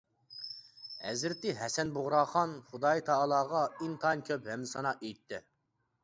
ھەزرىتى ھەسەن بۇغراخان خۇدايىتائالاغا ئىنتايىن كۆپ ھەمدۇسانا ئېيتتى.